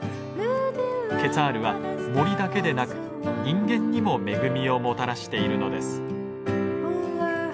ケツァールは森だけでなく人間にも恵みをもたらしているのです。